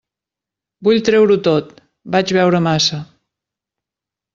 Vull treure-ho tot: vaig beure massa.